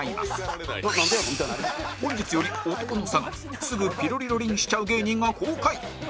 本日より男の性すぐピロリロリンしちゃう芸人が公開